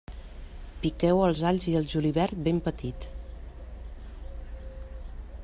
Piqueu els alls i el julivert ben petit.